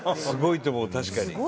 すごいと思う確かに。